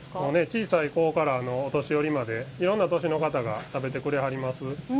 小さい子からお年寄りまでいろんな年の方が食べてくれはります。